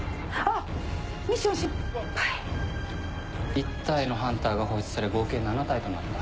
１体のハンターが放出され合計７体となった。